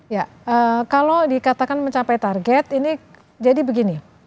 ya kalau dikatakan mencapai target ini jadi begini